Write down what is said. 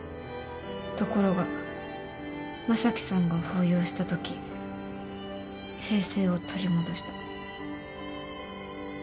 ところが将貴さんが抱擁したとき平静を取り戻した。